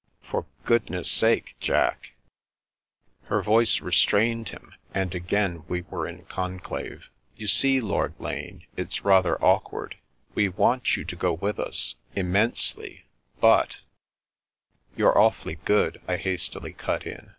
" For goodness sake, Jack !" Her voice restrained him, and again we were in conclave. " You see. Lord Lane, it's rather awk ward. We want you to go on with us, immensely, but ''" You're awfully good," I hastily cut in.